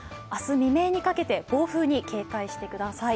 未明にかけて暴風に警戒してください。